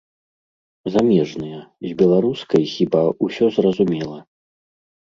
Замежныя, з беларускай, хіба, усё зразумела.